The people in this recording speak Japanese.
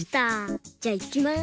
じゃいきます。